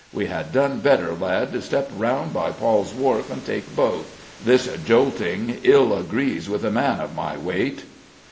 we had done better, lad, to step around by Paul's Wharf and take boat.... This jolting ill agrees with a man of my weight....